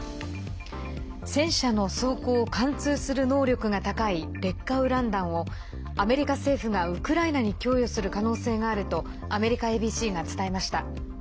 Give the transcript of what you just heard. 戦車の装甲を貫通する能力が高い劣化ウラン弾をアメリカ政府がウクライナに供与する可能性があるとアメリカＡＢＣが伝えました。